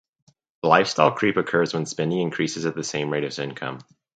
Lifestyle creep occurs when spending increases at the same rate as income.